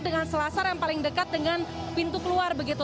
dengan selasar yang paling dekat dengan pintu keluar begitu